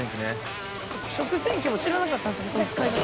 「食洗機も知らなかったんですよ使い方」